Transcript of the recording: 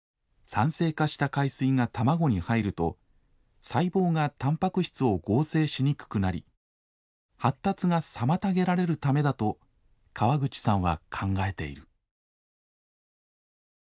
酸性化した海水が卵に入ると細胞がたんぱく質を合成しにくくなり発達が妨げられるためだと川口さんは考えている。